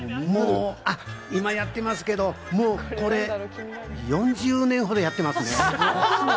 今やってますけど、４０年ほどやってますね。